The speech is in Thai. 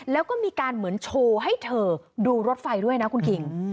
แล้วก็มีการเหมือนโชว์ให้เธอดูรถไฟด้วยนะคุณคิง